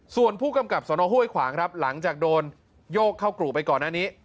ส่วนผู้กำกับสนห้วยขวางครับหลังจากโดนโยกเข้ากรูไปก่อนหน้านี้